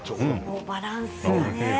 バランスがね。